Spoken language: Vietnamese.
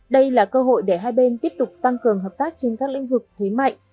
đây là cơ hội để hai bên tiếp tục tăng cường hợp tác trên các lĩnh vực thế mạnh